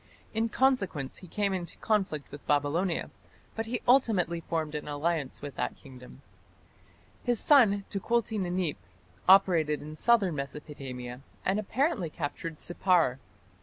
In consequence he came into conflict with Babylonia, but he ultimately formed an alliance with that kingdom. His son, Tukulti Ninip, operated in southern Mesopotamia, and apparently captured Sippar.